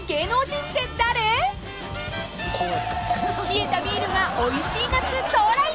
［冷えたビールがおいしい夏到来！］